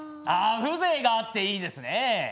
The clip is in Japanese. あ風情があっていいですね。